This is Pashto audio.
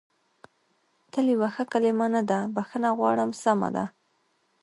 تل یوه ښه کلمه نه ده، بخښنه غواړم، سمه ده.